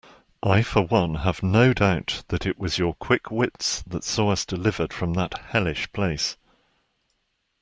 I for one have no doubt that it was your quick wits that saw us delivered from that hellish place.